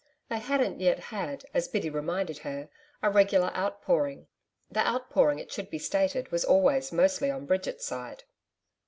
They hadn't yet had, as Biddy reminded her, a regular outpouring. The outpouring it should be stated, was always mostly on Bridget's side.